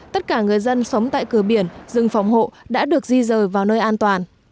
tất cả người dân sống tại cửa biển rừng phòng hộ đã được di rời vào nơi an toàn